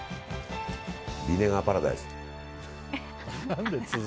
ビネガーパラダイス。